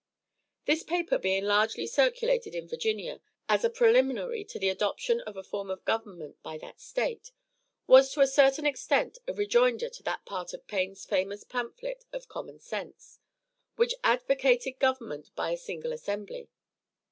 This paper being largely circulated in Virginia as a preliminary to the adoption of a form of government by that State, was to a certain extent a rejoinder to that part of Paine's famous pamphlet of 'Common Sense,' which advocated government by a single assembly.